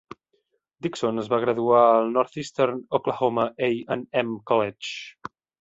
Dickson es va graduar al Northeastern Oklahoma A and M College.